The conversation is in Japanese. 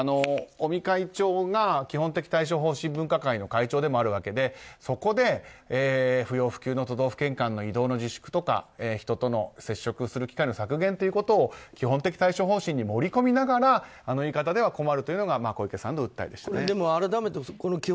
尾身会長が基本的対処方針分科会の会長でもあるわけでそこで不要不急の都道府県間の移動の自粛とか人との接触する機会の削減を基本的対処方針に盛り込みながらあの言い方では困るというのが小池さんの味方でした。